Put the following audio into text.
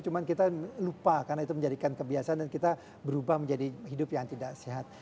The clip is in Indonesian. cuma kita lupa karena itu menjadikan kebiasaan dan kita berubah menjadi hidup yang tidak sehat